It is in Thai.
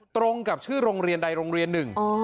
ตรงกับชื่อโรงเรียนใดโรงเรียนหนึ่ง